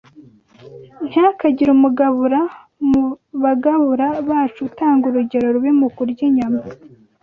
Ntihakagire umugabura mu bagabura bacu utanga urugero rubi mu kurya inyama.